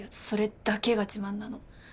それだけが自慢なの。